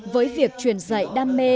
với việc truyền dạy đam mê